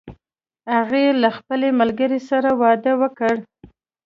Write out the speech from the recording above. هغې له خپل ملګری سره واده وکړ